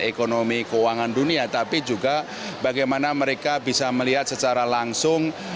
ekonomi keuangan dunia tapi juga bagaimana mereka bisa melihat secara langsung